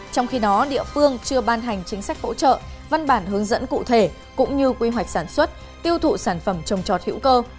trong khi đó địa phương chưa ban hành chính sách hỗ trợ văn bản hướng dẫn cụ thể cũng như quy hoạch sản xuất tiêu thụ sản phẩm trồng trọt hữu cơ